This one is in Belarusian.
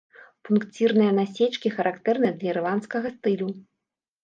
Пункцірныя насечкі характэрныя для ірландскага стылю.